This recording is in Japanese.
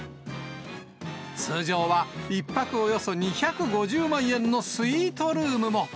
通常は１泊およそ２５０万円のスイートルームも。